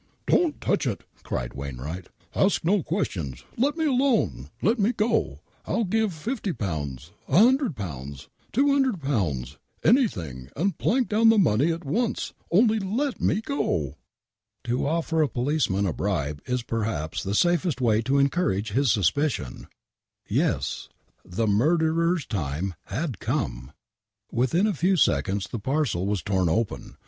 " Don't touch it !" cried Wainwright. " Ask no questions. Let me alone. Let me go. I'll give £50 — £100 — ^£200, anything, and plank down the money at once — only let me go "!!! To offer a policeman a bribe is perhaps the safest way to encourage his suspicion — ^Ybs,, the Murderer's Time had Comb. Within a few seconds the parcel was torn open